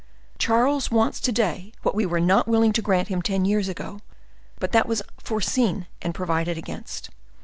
Charles wants to day what we were not willing to grant him ten years ago; but that was foreseen and provided against.